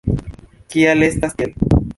Kial estas tiel?